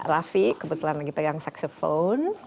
raffi kebetulan lagi pegang saxafon